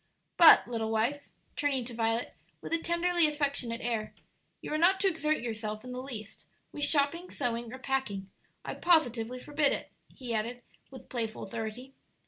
"But, little wife," turning to Violet, with a tenderly affectionate air, "you are not to exert yourself in the least with shopping, sewing, or packing. I positively forbid it," he added, with playful authority.